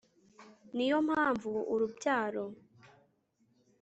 Ni yo mpamvu urubyaro